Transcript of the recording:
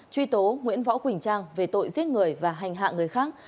truy tố nguyễn võ quỳnh trang về tội giết người và hành hạ người khác